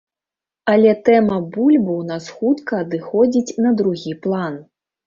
Але тэма бульбы ў нас хутка адыходзіць на другі план.